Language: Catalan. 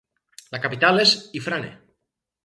La capital és Ifrane.